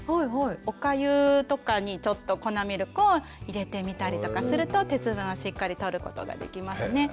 おかゆとかにちょっと粉ミルクを入れてみたりとかすると鉄分をしっかりとることができますね。